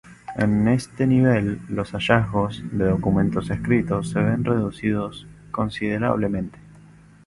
En este nivel los hallazgos de documentos escritos se ven reducidos considerablemente.